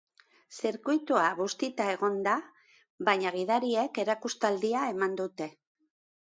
Zirkuitua bustita egon da, baina gidariek erakustaldia eman dute.